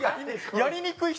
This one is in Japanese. やりにくいな。